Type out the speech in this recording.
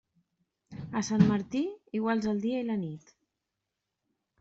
A Sant Martí, iguals el dia i la nit.